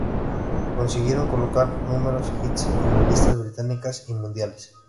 Consiguieron colocar numerosos hits en las listas británicas y mundiales.